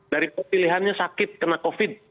dari pilihannya sakit kena covid